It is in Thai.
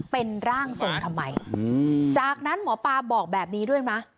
เป็นร่างทรงทำไมจากนั้นหมอปลาบอกแบบนี้ด้วยมั้ย